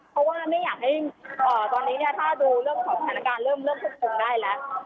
เพราะว่าไม่อยากให้ตอนนี้เนี่ยถ้าดูเรื่องของสถานการณ์เริ่มควบคุมได้แล้ว